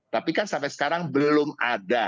tapi kan sampai sekarang belum ada